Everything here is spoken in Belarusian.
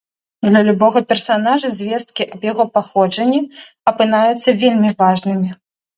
Для любога персанажа звесткі аб яго паходжанні апынаюцца вельмі важнымі.